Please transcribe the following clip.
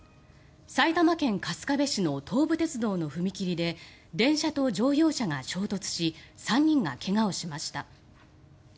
埼玉県春日部市の東武鉄道の踏切で電車と乗用車が衝突し３人が怪我をしました。